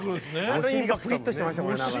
お尻がプリッとしてましたもん何かね。